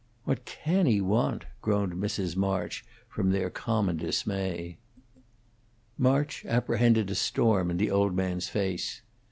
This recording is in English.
"What can he want?" groaned Mrs. March, from their common dismay. March apprehended a storm in the old man's face.